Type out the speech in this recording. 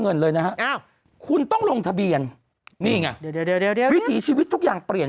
เงินเลยนะครับคุณต้องลงทะเบียนนี่ไงทีชีวิตทุกอย่างเปลี่ยน